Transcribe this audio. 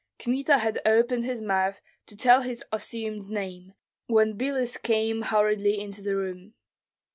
Kmita had opened his mouth to tell his assumed name, when Biloüs came hurriedly into the room.